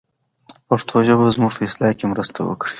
پښتو ژبه به زموږ په اصلاح کې مرسته وکړي.